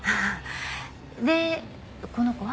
でこの子は？